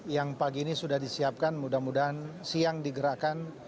yang pagi ini sudah disiapkan mudah mudahan siang digerakkan